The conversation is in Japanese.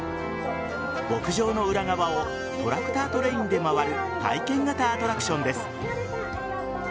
牧場の裏側をトラクタートレインで回る体験型アトラクションです。